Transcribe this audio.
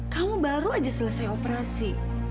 kamu baru aja selesai operasi